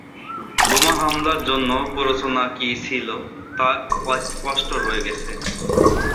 বোমা হামলার জন্য প্ররোচনা কি ছিল তা অস্পষ্ট রয়ে গেছে।